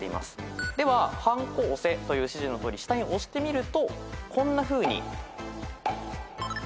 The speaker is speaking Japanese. では「ハンコオセ」という指示のとおり下に押してみるとこんなふうに。